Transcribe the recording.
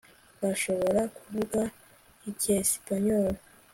bashobora kuvuga icyesipanyoli